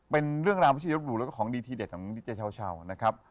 เป็นเรื่องราวที่ลบหลู่แล้วก็ของดีที่เด็ดของดิจัยเช้านะครับ